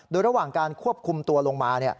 โดยระหว่างการควบคุมตัวลงมา